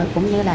cũng như là